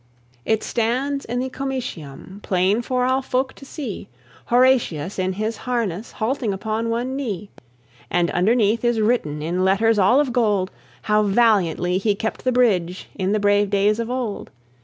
It stands in the Comitium, Plain for all folk to see, Horatius in his harness, Halting upon one knee: And underneath is written, In letters all of gold, How valiantly he kept the bridge In the brave days of old.